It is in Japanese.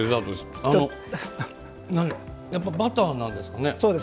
やっぱりバターなんですかね。